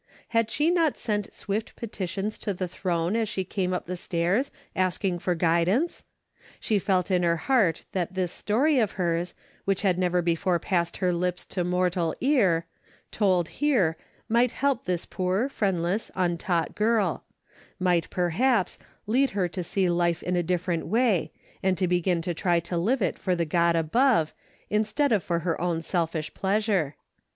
Had she not sent swift petitions to the throne as she came up the stairs asking for guidance ? She felt in her heart that this story of hers, which had never before passed her lips to mortal ear, told here, might help this poor, friendless, untaught girl : might, perhaps, lead her to see life in a differ ent way, and to begin to try to live it for the God above, instead of for her own selfish pleasure.